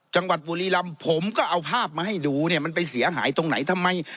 จังหวัดบุรีรำผมก็เอาภาพมาให้ดูเนี่ยมันไปเสียหายตรงไหนทำไม